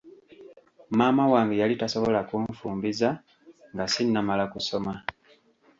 Maama wange yali tasobola kunfumbiza nga sinnamala kusoma.